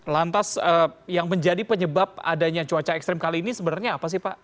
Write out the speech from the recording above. lantas yang menjadi penyebab adanya cuaca ekstrim kali ini sebenarnya apa sih pak